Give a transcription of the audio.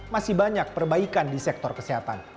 masih banyak perbaikan di sektor kesehatan